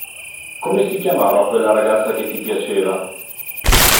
Come si chiamava quella ragazza che ti piaceva?